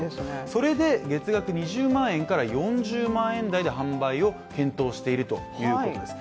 それで月額２０万円から４０万円台で販売を検討しているということです。